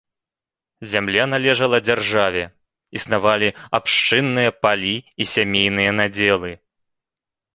Зямля належала дзяржаве, існавалі абшчынныя палі і сямейныя надзелы.